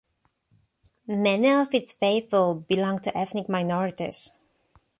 Many of its faithful belong to ethnic minorities.